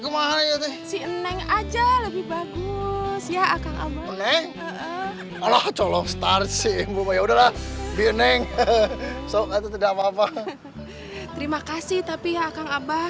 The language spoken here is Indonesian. ya akan abah neng allah colong star cimbo ya udahlah bineng sokat tidak apa apa terima kasih tapi akan abah